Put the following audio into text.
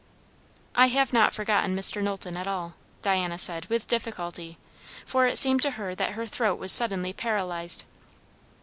"I have not forgotten Mr. Knowlton at all," Diana said with difficulty, for it seemed to her that her throat was suddenly paralyzed.